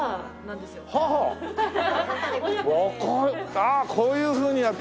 ああこういうふうにやって。